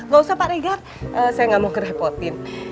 gak usah pak regar saya nggak mau kerepotin